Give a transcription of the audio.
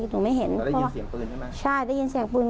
หนูไม่เห็นได้ยินเสียงปืนใช่ไหมใช่ได้ยินเสียงปืน